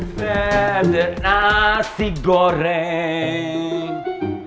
berada nasi goreng